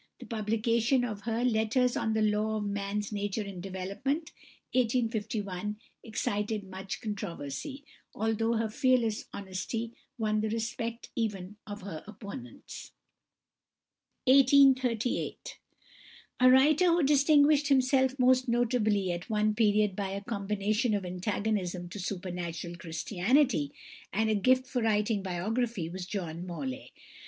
The publication of her "Letters on the Laws of Man's Nature and Development" (1851) excited much controversy, although her fearless honesty won the respect even of her opponents. A writer who distinguished himself most notably at one period by a combination of antagonism to Supernatural Christianity, and a gift for writing biography, was =John Morley (1838 )=.